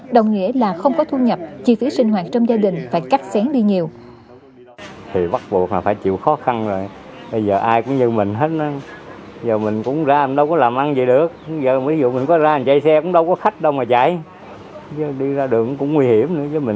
đồng nghĩa là không có thu nhập chi phí sinh hoạt trong gia đình phải cắt xén đi nhiều